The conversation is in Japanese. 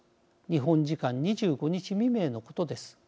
日本時間２５日未明のことです。